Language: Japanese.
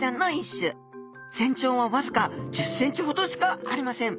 全長はわずか１０センチほどしかありません